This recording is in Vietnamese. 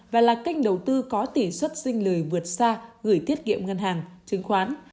và là kênh đầu tư có tỷ suất sinh lời vượt xa gửi tiết kiệm ngân hàng chứng khoán